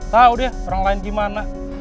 tahu deh orang lain gimana